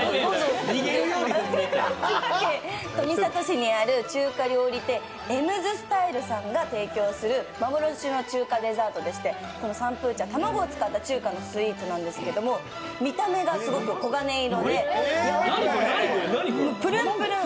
千葉県富里市にある中華料理店、エムズスタイルさんが提供する幻の中華デザートでしてこのサンプーチャン卵を使った中華のスイーツなんですけれども、見た目がすごく黄金色で、プルンプルン。